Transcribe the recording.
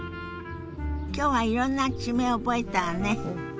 今日はいろんな地名を覚えたわね。